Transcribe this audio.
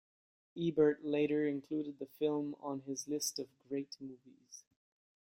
Ebert later included the film on his list of "Great Movies".